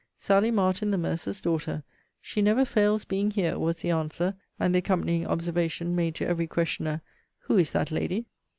'Sally Martin, the mercer's daughter: she never fails being here;' was the answer, and the accompanying observation, made to every questioner, Who is that lady?